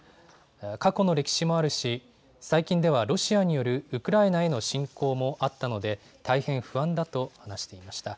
過去の歴史もあるし最近ではロシアによるウクライナへの侵攻もあったので大変不安だと話していました。